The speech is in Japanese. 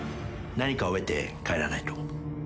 何かを得て帰らないと